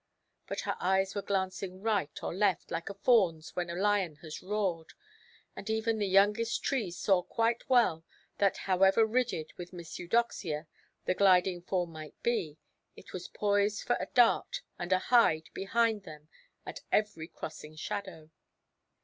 But her eyes were glancing right or left, like a fawnʼs when a lion has roared; and even the youngest trees saw quite well that, however rigid with Miss Eudoxia the gliding form might be, it was poised for a dart and a hide behind them at every crossing shadow.